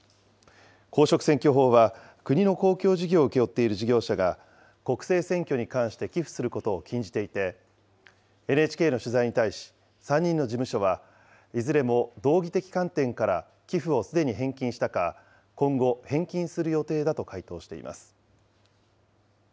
公職選挙法は、国の公共事業を請け負っている事業者が国政選挙に関して寄付することを禁じていて、ＮＨＫの取材に対し、３人の事務所はいずれも道義的観点から寄付をすでに返金したか、今後返金する予定だと回答しています。